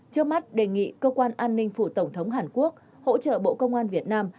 trước mắt đề nghị cơ quan an ninh phủ tổng thống hàn quốc hỗ trợ bộ công an việt nam